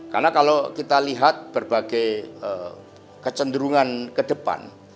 karena kalau kita lihat berbagai kecenderungan kedepan